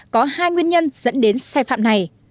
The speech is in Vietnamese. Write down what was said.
có hai nguyên nhân dẫn đến sai phạm này